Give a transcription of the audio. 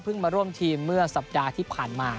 เพิ่งมาร่วมทีมเรื่องเมื่อสัปดาห์ที่ผ่านมา